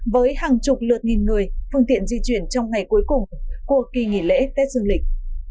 với hàng chục lượt nghìn người phương tiện di chuyển trong ngày cuối cùng của kỳ nghỉ lễ tết dương lịch